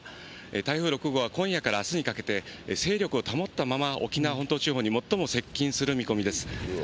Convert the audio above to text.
台風６号は今夜からあすにかけて勢力を保ったまま沖縄本島地方に最も接近する見込みです。